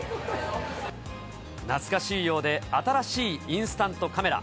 懐かしいようで新しいインスタントカメラ。